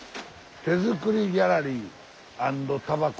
「手作りギャラリー＆たばこ」。